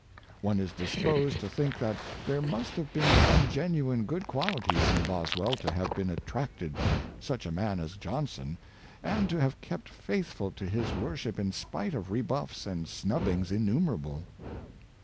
One is disposed to think that there must have been some genuine good qualities in Boswell to have been attracted by such a man as Johnson, and to have kept faithful to his wor ship in spite of rebuffs and snubbings innumerable.